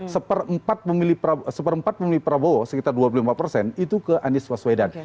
seperempat pemilih prabowo sekitar dua puluh lima persen itu ke anies waswedan